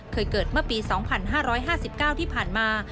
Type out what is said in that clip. เกิดเมื่อปี๒๕๕๙ที่ผ่านมา